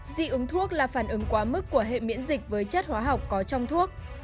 dị ứng thuốc là phản ứng quá mức của hệ miễn dịch với chất hóa học có trong thuốc